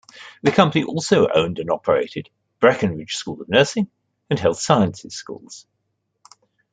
The company also owned and operated Breckinridge School of Nursing and Health Sciences schools.